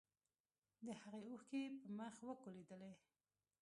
د هغې اوښکې په مخ وکولېدلې.